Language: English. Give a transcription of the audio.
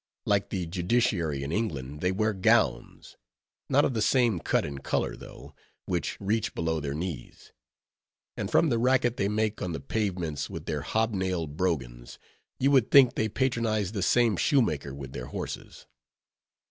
Like the Judiciary in England, they wear gowns,—not of the same cut and color though,—which reach below their knees; and from the racket they make on the pavements with their hob nailed brogans, you would think they patronized the same shoemaker with their horses.